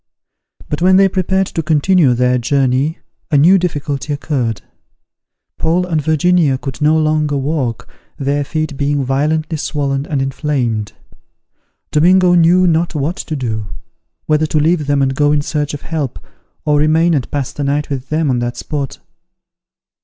But when they prepared to continue their journey, a new difficulty occurred; Paul and Virginia could no longer walk, their feet being violently swollen and inflamed. Domingo knew not what to do; whether to leave them and go in search of help, or remain and pass the night with them on that spot.